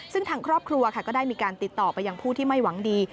ซึ่งทางครอบครัวค่ะก็ได้มีการติดต่อไปยังผู้ที่ไม่หวังดี